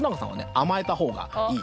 甘えた方がいい。